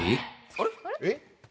あれ？